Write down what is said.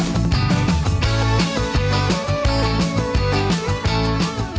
mau nyerap bubur juga bisa